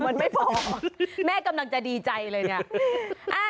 มันไม่พอแม่กำลังจะดีใจเลยเนี่ย